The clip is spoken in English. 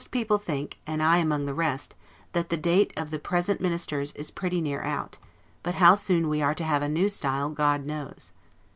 Most people think, and I among the rest, that the date of the present Ministers is pretty near out; but how soon we are to have a new style, God knows.